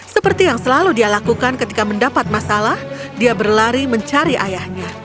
seperti yang selalu dia lakukan ketika mendapat masalah dia berlari mencari ayahnya